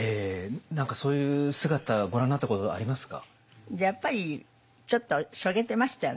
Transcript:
何かそういう姿ご覧になったことありますか？